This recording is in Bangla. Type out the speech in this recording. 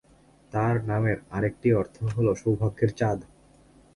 তাঁর নামের আর একটি অর্থ হল সৌভাগ্যের চাঁদ।